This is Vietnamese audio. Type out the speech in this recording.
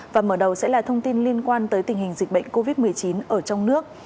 và mở đầu sẽ là thông tin liên quan tới tình hình dịch bệnh covid một mươi chín ở trong nước